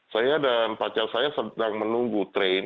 saya dan pacar saya sedang menunggu train